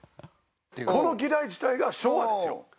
この議題自体が昭和ですよ。